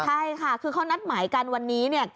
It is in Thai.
ใช่ค่ะคือเขานัดหมายกันวันนี้เนี่ย